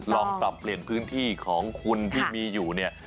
ลองปรับเปลี่ยนพื้นที่ของคุณที่มีอยู่เนี่ย